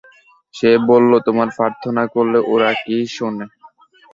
সে বলল, তোমরা প্রার্থনা করলে ওরা কি শোনে?